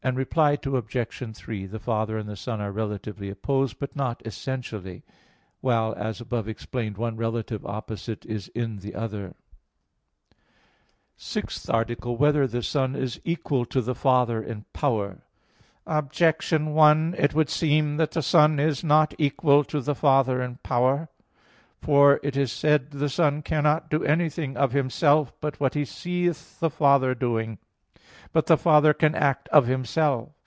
Reply Obj. 3: The Father and the Son are relatively opposed, but not essentially; while, as above explained, one relative opposite is in the other. _______________________ SIXTH ARTICLE [I, Q. 42, Art. 6] Whether the Son Is Equal to the Father in Power? Objection 1: It would seem that the Son is not equal to the Father in power. For it is said (John 5:19): "The Son cannot do anything of Himself but what He seeth the Father doing." But the Father can act of Himself.